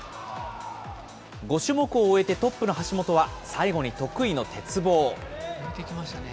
５種目を終えてトップの橋本は、最後に得意の鉄棒。